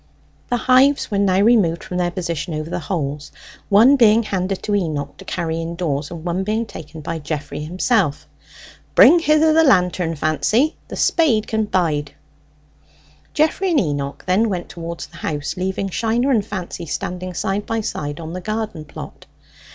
The hives were now removed from their position over the holes, one being handed to Enoch to carry indoors, and one being taken by Geoffrey himself. "Bring hither the lantern, Fancy: the spade can bide." Geoffrey and Enoch then went towards the house, leaving Shiner and Fancy standing side by side on the garden plot.